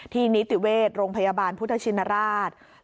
นิติเวชโรงพยาบาลพุทธชินราช